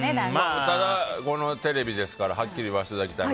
ただ、テレビですからはっきり言わせていただきたい。